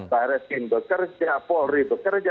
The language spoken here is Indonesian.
bayresin bekerja polri bekerja